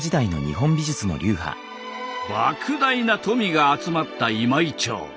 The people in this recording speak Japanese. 莫大な富が集まった今井町。